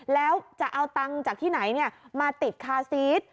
แล้วจะเอาตังจากที่ไหนเนี่ยมาติดคาซีท